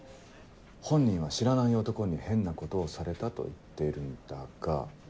本人は「知らない男に変なことをされた」と言っているんだが。